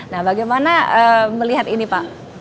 nah bagaimana melihat ini pak